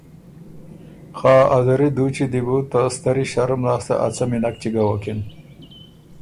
خه ا زری دُوچی دی بو ته ستری ݭرُم لاسته ا څمی نک چګَوکِن